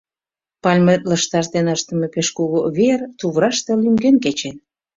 Пальме лышташ дене ыштыме пеш кугу веер туврашыште лӱҥген кечен.